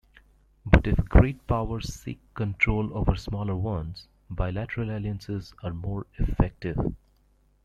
But if great powers seek control over smaller ones, bilateral alliances are more effective.